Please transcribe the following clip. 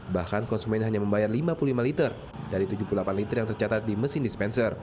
bahkan konsumen hanya membayar lima puluh lima liter dari tujuh puluh delapan liter yang tercatat di mesin dispenser